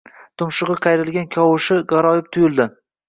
tumshugʼi qayrilgan kavushi gʼaroyib tuyuldi.